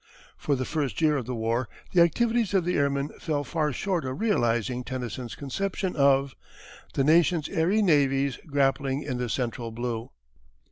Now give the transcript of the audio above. For the first year of the war the activities of the airmen fell far short of realizing Tennyson's conception of The nations' airy navies grappling in the central blue.